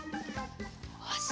よし。